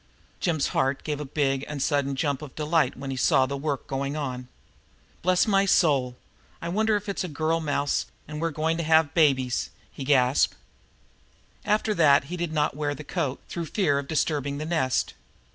Jim's heart gave a big and sudden jump of delight when he saw the work going on. "Bless my soul, I wonder if it's a girl mouse an' we're goin' to have BABIES!" he gasped. After that he did not wear the coat, through fear of disturbing the nest.